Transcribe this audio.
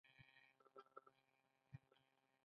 ایا ستاسو قسمت به بیدار وي؟